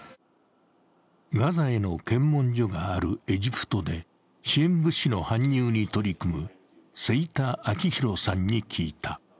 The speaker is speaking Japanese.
ガザへの検問所があるエジプトで支援物資の搬入に取り組む清田明宏さんに聞いた。